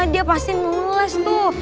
dia pasti ngeles tuh